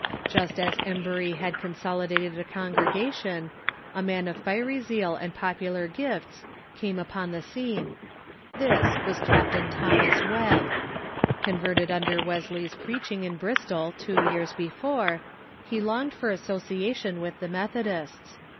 Just as Emburj^ had consolidated a congrega tion, a man of fiery zeal and popular gifts came upon the scene. This was Captain Thomas W^ebb. Converted under Wesley's preaching in Bristol two years before, be longed for association with the Methodists.